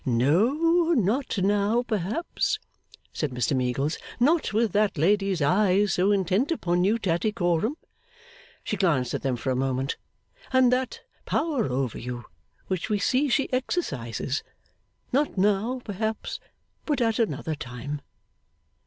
'No, not now, perhaps,' said Mr Meagles; 'not with that lady's eyes so intent upon you, Tattycoram,' she glanced at them for a moment, 'and that power over you, which we see she exercises; not now, perhaps, but at another time.